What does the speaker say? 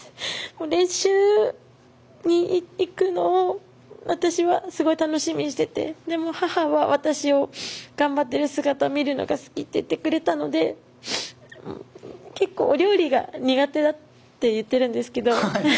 練習に行くのを私はすごく楽しみにしていてでも母は私を頑張っている姿を見るのが好きって言ってくれたので結構お料理が苦手だって言っているんですけど。